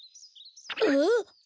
あっ！